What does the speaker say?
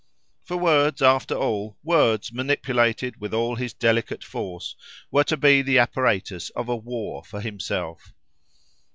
For words, after all, words manipulated with all his delicate force, were to be the apparatus of a war for himself.